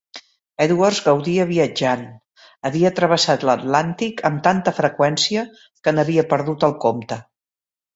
Edwards gaudia viatjant, havia travessat l'Atlàntic amb tant freqüència que n'havia perdut el compte.